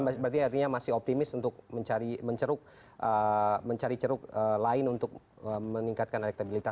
berarti artinya masih optimis untuk mencari ceruk lain untuk meningkatkan elektabilitas